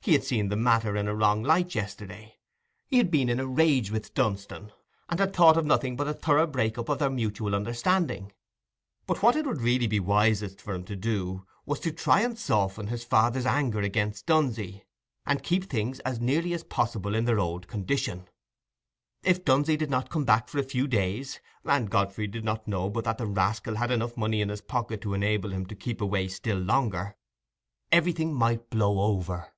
He had seen the matter in a wrong light yesterday. He had been in a rage with Dunstan, and had thought of nothing but a thorough break up of their mutual understanding; but what it would be really wisest for him to do, was to try and soften his father's anger against Dunsey, and keep things as nearly as possible in their old condition. If Dunsey did not come back for a few days (and Godfrey did not know but that the rascal had enough money in his pocket to enable him to keep away still longer), everything might blow over.